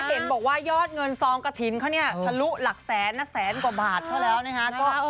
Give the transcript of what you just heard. เห็นบอกว่ายอดเงินซองกระถิ่นเขาเนี่ยทะลุหลักแสนนะแสนกว่าบาทเขาแล้วนะฮะ